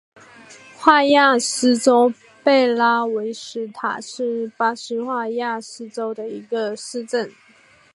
戈亚斯州贝拉维斯塔是巴西戈亚斯州的一个市镇。